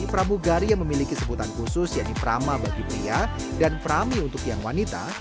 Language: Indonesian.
pramugari yang memiliki sebutan khusus yaitu prama bagi pria dan prami untuk yang wanita